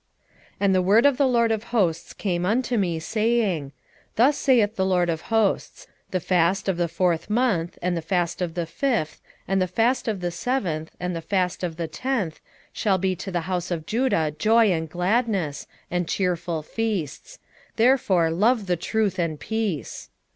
8:18 And the word of the LORD of hosts came unto me, saying, 8:19 Thus saith the LORD of hosts; The fast of the fourth month, and the fast of the fifth, and the fast of the seventh, and the fast of the tenth, shall be to the house of Judah joy and gladness, and cheerful feasts; therefore love the truth and peace.